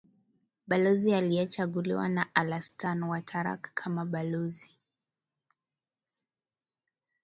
balozi aliyechaguliwa na alastan watarak kama balozi